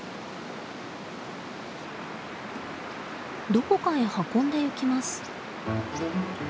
どこかへ運んでいきます。